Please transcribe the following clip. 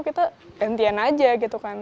kita gantian aja gitu kan